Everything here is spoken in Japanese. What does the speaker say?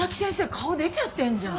顔出ちゃってんじゃん！